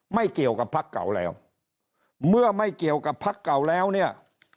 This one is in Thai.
ไม่เกี่ยวกับพักเก่าแล้วเมื่อไม่เกี่ยวกับพักเก่าแล้วเนี่ย